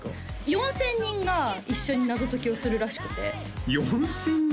４０００人が一緒に謎解きをするらしくて４０００人？